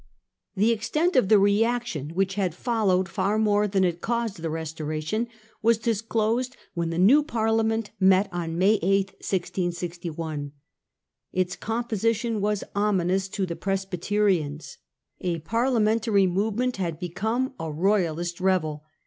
The extent of the reaction which had followed far more than it caused the Restoration, was disclosed when the new Parliament met on May 8, 1661. Its of°the°new n composition was ominous to the Presbyterians, parliament, Parliamentary movement had become a Royalist revel.